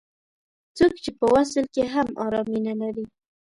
څوک چې په وصل کې هم ارامي نه لري.